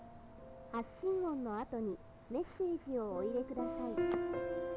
発信音の後にメッセージをお入れください。